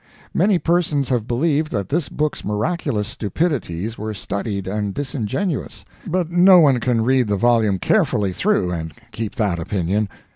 Many persons have believed that this book's miraculous stupidities were studied and disingenuous; but no one can read the volume carefully through and keep that opinion.